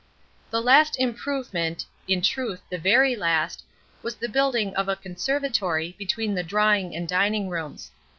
The "last improvement"—in truth, the very last—was the building of a conservatory between the drawing and dining rooms.